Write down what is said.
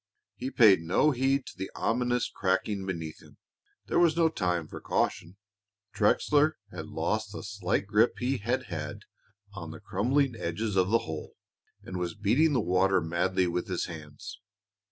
He paid no heed to the ominous cracking beneath him; there was no time for caution. Trexler had lost the slight grip he had had on the crumbling edges of the hole and was beating the water madly with his hands.